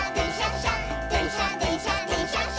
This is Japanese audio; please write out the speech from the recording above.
しゃでんしゃでんしゃでんしゃっしゃ」